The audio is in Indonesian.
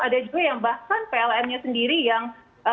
ada juga yang bahkan pln nya sendiri yang